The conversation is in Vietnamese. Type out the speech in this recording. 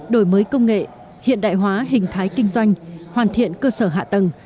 đổi mới công nghệ hiện đại hóa hình thái kinh doanh hoàn thiện cơ sở hạ tầng